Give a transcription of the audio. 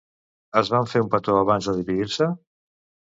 Es van fer un petó abans de dividir-se?